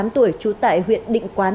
hai mươi tám tuổi trú tại huyện định quán